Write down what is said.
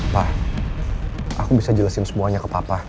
pak aku bisa jelasin semuanya ke papa